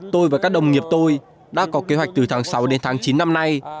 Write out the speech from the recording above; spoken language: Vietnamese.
tôi và các đồng nghiệp tôi đã có kế hoạch từ tháng sáu đến tháng chín năm nay